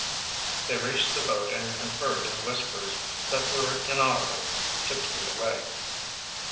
They reached the boat and conferred in whispers that were inaudible six feet away.